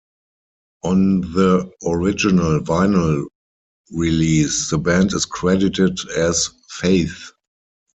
On the original vinyl release, the band is credited as Faith.